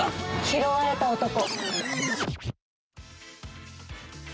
「拾われた男」。